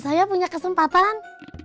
suami saya punya kesempatan